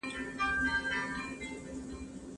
زه هره ورځ شګه پاکوم